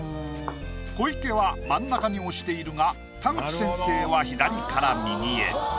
小池は真ん中に押しているが田口先生は左から右へ。